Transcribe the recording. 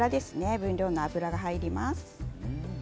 分量の油が入ります。